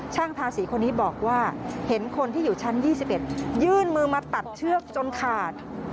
ทาสีคนนี้บอกว่าเห็นคนที่อยู่ชั้น๒๑ยื่นมือมาตัดเชือกจนขาด